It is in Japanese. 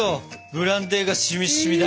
ブランデーがしみしみだ。